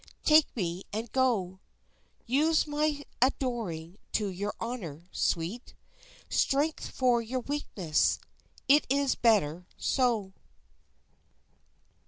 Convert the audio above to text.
Take me and go, Use my adoring to your honor, sweet, Strength for your weakness it is better so.